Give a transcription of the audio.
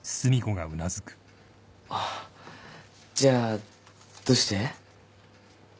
あっじゃあどうして？